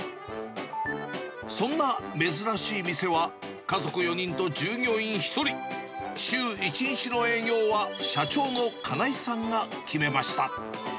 そんな珍しい店は、家族４人と従業員１人、週１日の営業は、社長の金井さんが決めま